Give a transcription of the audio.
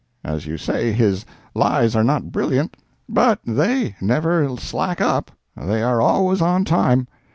As you say, his lies are not brilliant, but they never slack up—they are always on time.